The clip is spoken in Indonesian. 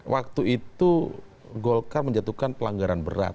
waktu itu golkar menjatuhkan pelanggaran berat